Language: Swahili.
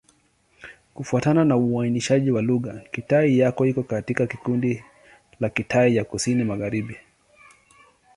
Kufuatana na uainishaji wa lugha, Kitai-Ya iko katika kundi la Kitai ya Kusini-Magharibi.